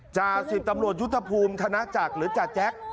จ่าสิบตำรวจยุทธภูมิธนจักรหรือจ่าแจ็ค